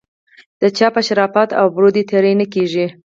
د چا په شرافت او ابرو دې تېری نه کیږي.